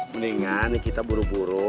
mendingan kita buru buru